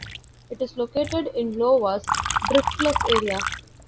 It is located in Iowa's Driftless Area.